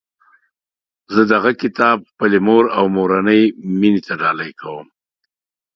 زه دغه کتاب خپلي مور او مورنۍ میني ته ډالۍ کوم